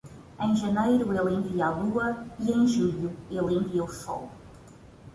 Em janeiro, ele envia a lua e em julho ele envia o sol.